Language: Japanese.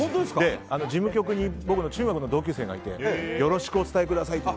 事務局に僕の中学の同級生がいてよろしくお伝えください